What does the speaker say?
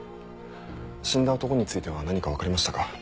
死んだ男については何か分かりましたか？